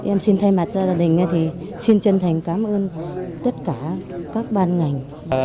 em xin thay mặt gia đình thì xin chân thành cảm ơn tất cả các ban ngành